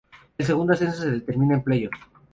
El segundo ascenso se determinará en playoff.